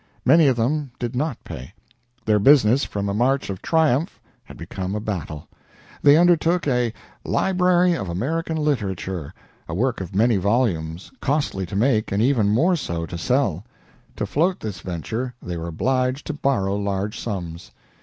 Many of them did not pay. Their business from a march of triumph had become a battle. They undertook a "Library of American Literature," a work of many volumes, costly to make and even more so to sell. To float this venture they were obliged to borrow large sums.